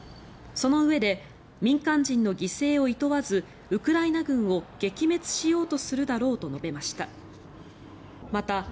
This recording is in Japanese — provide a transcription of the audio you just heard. そのうえで民間人の犠牲をいとわずウクライナ軍を撃滅しようとするだろうと述べました。